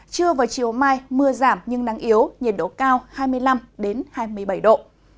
trưa và chiều mai mưa giảm nhưng nắng yếu nhiệt độ cao hai mươi năm hai mươi bảy độ